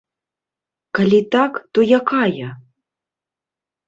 Калі так, то якая?